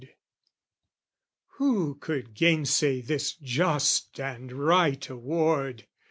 Who could gainsay this just and right award?